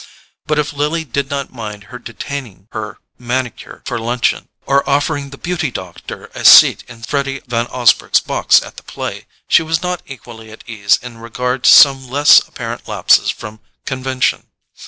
But if Lily did not mind her detaining her manicure for luncheon, or offering the "Beauty Doctor" a seat in Freddy Van Osburgh's box at the play, she was not equally at ease in regard to some less apparent lapses from convention.